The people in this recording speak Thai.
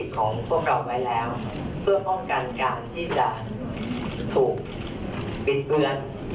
ของพวกเราไว้แล้วเพื่อป้องกันการที่จะถูกบิดเบือน